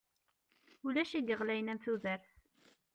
Ulac i iɣlayen am tudert.